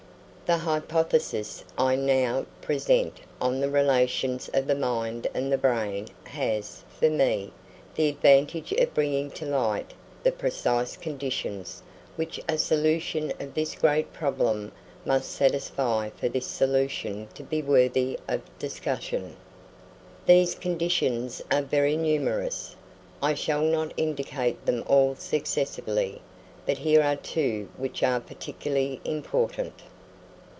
The hypothesis I now present on the relations of the mind and the brain has, for me, the advantage of bringing to light the precise conditions which a solution of this great problem must satisfy for this solution to be worthy of discussion. These conditions are very numerous. I shall not indicate them all successively; but here are two which are particularly important.